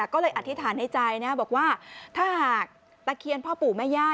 ก็เลยอธิษฐานในใจนะบอกว่าถ้าหากตะเคียนพ่อปู่แม่ย่า